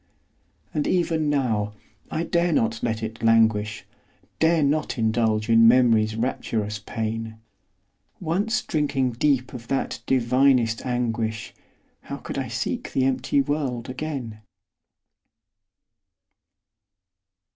And even now, I dare not let it languish, Dare not indulge in Memory's rapturous pain; Once drinking deep of that divinest anguish, How could I seek the empty world again?